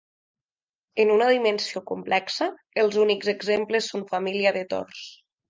En una dimensió complexa, els únics exemples són família de tors.